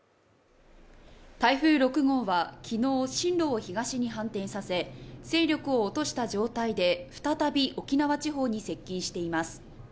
台風６号は昨日、進路を東に反転させ勢力を落とした状態で再び翁地方に接近しています。